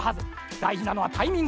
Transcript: だいじなのはタイミング。